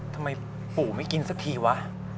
ทำไมปู่ไม่กินสักทีวะ